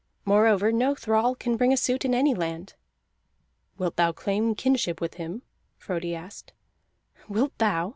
Moreover, no thrall can bring a suit in any land." "Wilt thou claim kinship with him?" Frodi asked. "Wilt thou?"